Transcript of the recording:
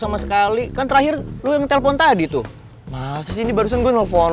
sama sekali kan terakhir lu yang telepon tadi tuh masa sih ini barusan gue nelfon